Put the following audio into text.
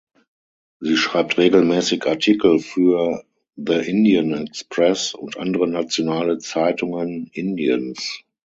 Sie schreibt regelmäßig Artikel für The Indian Express und andere nationale Zeitungen Indiens.